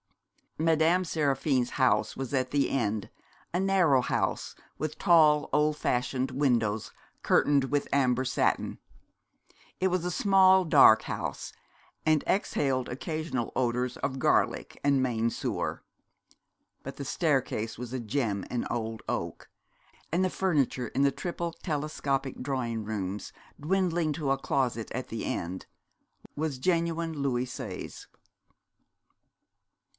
Madame Seraphine's house was at the end, a narrow house, with tall old fashioned windows curtained with amber satin. It was a small, dark house, and exhaled occasional odours of garlic and main sewer; but the staircase was a gem in old oak, and the furniture in the triple telescopic drawing rooms, dwindling to a closet at the end, was genuine Louis Seize.